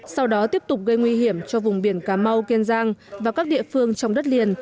sau đó tiếp tục gây nguy hiểm cho vùng biển cà mau kiên giang và các địa phương trong đất liền